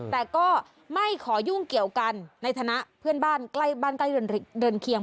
แต่ก็ไม่ขอยุ่งเกี่ยวกันในฐานะเพื่อนบ้านใกล้บ้านใกล้เดินเคียง